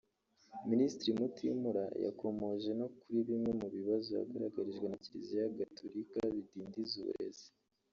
Minisitiri Mutimura yakomoje no kuri bimwe mu bibazo yagaragarijwe na kiliziya Gatulika bidindiza uburezi